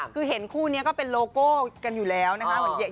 คือเห็นคู่นี้ก็เป็นโลโก้กันอยู่แล้วนะคะ